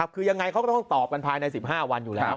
คือยังไงเขาก็ต้องตอบกันภายใน๑๕วันอยู่แล้ว